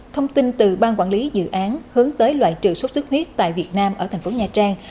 thông tin từ ban quản lý dự án hướng tới loại trừ sốt xuất huyết tại việt nam ở thành phố nha trang